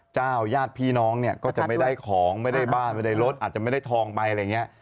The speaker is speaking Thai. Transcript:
ญาติพี่น้องเนี่ยก็จะไม่ได้ของไม่ได้บ้านไม่ได้รถอาจจะไม่ได้ทองไปอะไรอย่างนี้